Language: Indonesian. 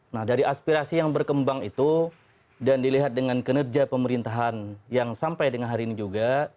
nah dari aspirasi yang berkembang itu dan dilihat dengan kinerja pemerintahan yang sampai dengan hari ini juga